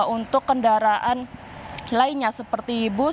untuk kendaraan lainnya seperti bus